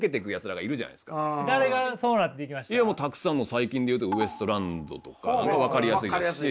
最近で言うとウエストランドとかが分かりやすいですし。